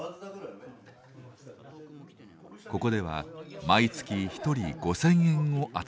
ここでは毎月一人５，０００円を集めます。